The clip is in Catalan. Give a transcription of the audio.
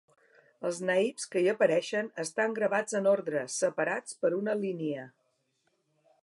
Els naips que hi apareixen, estan gravats en ordre, separats per una línia.